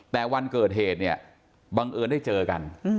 แต่วันเกิดเหตุเนี่ยบังเอิญได้เจอกัน